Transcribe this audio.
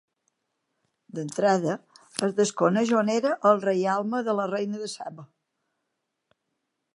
D'entrada, es desconeix on era el reialme de la reina de Saba.